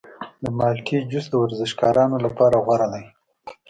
د مالټې جوس د ورزشکارانو لپاره غوره دی.